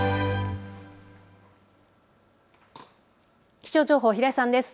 気象情報、平井さんです。